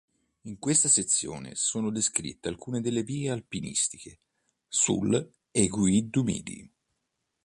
In questa sezione sono descritte alcune delle vie alpinistiche sull'Aiguille du Midi.